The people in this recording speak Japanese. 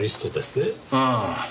ああ。